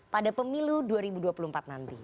pada pemilu dua ribu dua puluh empat nanti